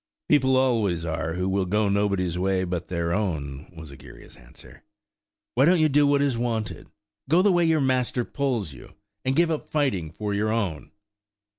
"People always are who will go nobody's way but their own," was Egeria's answer; "why don't you do what is wanted? Go the way your master pulls you, and give up fighting for your own."